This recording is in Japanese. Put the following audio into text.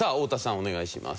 お願いします。